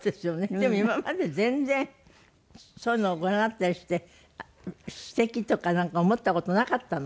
でも今まで全然そういうのをご覧になったりしてすてきとかなんか思った事なかったの？